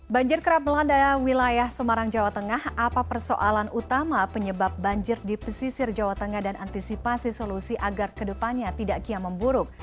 banjir kerap melanda wilayah semarang jawa tengah apa persoalan utama penyebab banjir di pesisir jawa tengah dan antisipasi solusi agar kedepannya tidak kian memburuk